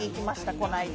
この間。